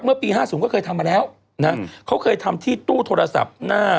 เมื่อปี๕๐ก็เคยทำมาแล้วนะเขาเคยทำที่ตู้โทรศัพท์หน้า